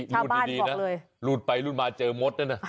หลูดดีนะลูดไปลูดมาเจอมสน่ะ